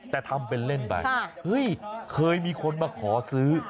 แต่ทำเป็นเล่นไปเฮ้ยเคยมีคนมาขอซื้อ